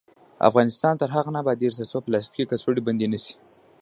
افغانستان تر هغو نه ابادیږي، ترڅو پلاستیکي کڅوړې بندې نشي.